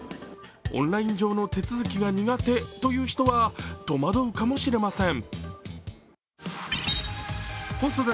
オンライン上の手続きが苦手という人は戸惑うかもしれません。